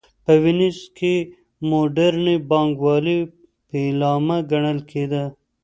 په وینز کې د موډرنې بانک والۍ پیلامه ګڼل کېده